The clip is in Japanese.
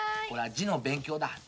これは字の勉強だ。